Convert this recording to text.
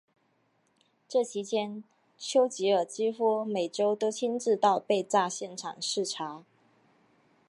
这期间丘吉尔几乎每周都亲自到被炸现场视察。